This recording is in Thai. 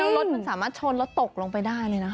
เมื่อเลนส์มันสามารถชนรถตกลงไปได้เลยนะครับ